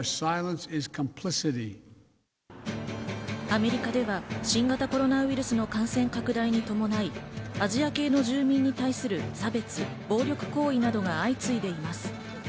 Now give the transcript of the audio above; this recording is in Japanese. アメリカでは新型コロナウイルスの感染拡大に伴い、アジア系の住民に対する差別・暴力行為などが相次いでいます。